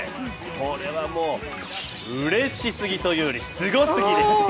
これはもううれし過ぎというよりスゴ過ぎです。